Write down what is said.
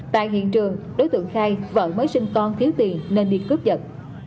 tại hiện trường đối tượng khai vợ mới sinh con thiếu tiền nên đi cướp dật